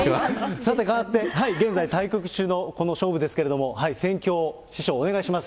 さて、変わって現在、対局中のこの勝負ですけれども、戦況、師匠、お願いします。